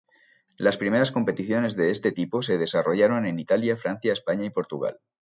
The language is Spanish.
Las primeras competiciones de este tipo se desarrollaron en Italia, Francia, España, y Portugal.